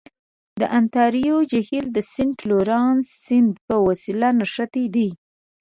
د انتاریو جهیل د سنت لورنس سیند په وسیله نښتی دی.